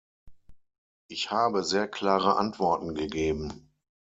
Ich habe sehr klare Antworten gegeben.